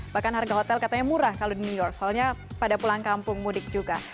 bahkan harga hotel katanya murah kalau di new york soalnya pada pulang kampung mudik juga